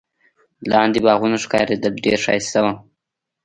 لاندي باغونه ښکارېدل، ډېر ښایسته وو.